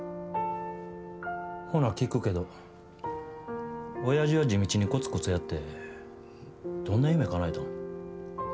ほな聞くけどおやじは、地道にコツコツやってどんな夢かなえたん。